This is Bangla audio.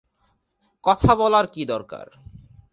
কথা বলার কী দরকার?